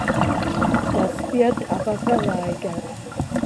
Das wird aber verweigert.